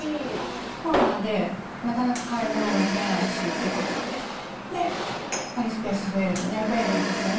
コロナでなかなか買い物も行けないしということで、スペース増えると便利ですよね。